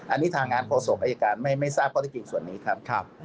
อันนี้ทางงานโฆษกอายการไม่ทราบข้อที่จริงส่วนนี้ครับ